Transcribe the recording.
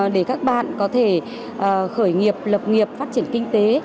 để các bạn có thể khởi nghiệp lập nghiệp phát triển kinh tế